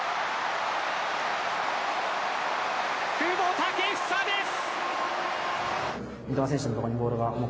久保建英です。